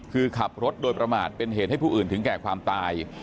คือขับรถโดยประมาทเป็นเหตุให้ผู้อื่นถึงแก่ความตาย